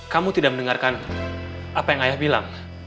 kamu tidak mendengarkan apa yang ayah bilang